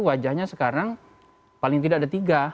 wajahnya sekarang paling tidak ada tiga